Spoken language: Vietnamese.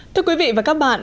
thưa quý vị và các bạn